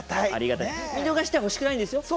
見逃してはほしくないんですよ。